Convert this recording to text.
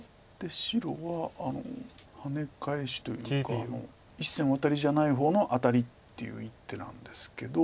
白はハネ返しというか１線ワタリじゃない方のアタリっていう一手なんですけど。